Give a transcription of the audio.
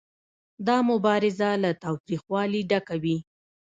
دا مبارزه له تاوتریخوالي ډکه وي